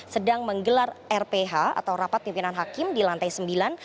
sedang menggelar rph atau rapat pimpinan hakim di lantai sembilan